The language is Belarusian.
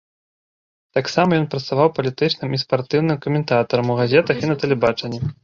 Таксама ён працаваў палітычным і спартыўным каментатарам у газетах і на тэлебачанні.